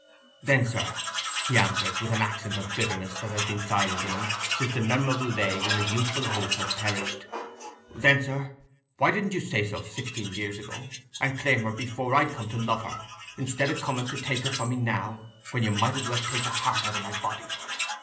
"Then, sir," he answered, with an accent of bitterness that had been silent in him since the memorable day when his youthful hope had perished—"then, sir, why didn't you say so sixteen year ago, and claim her before I'd come to love her, i'stead o' coming to take her from me now, when you might as well take the heart out o' my body?